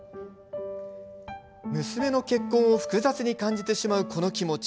娘の結婚を複雑に感じてしまうこの気持ち。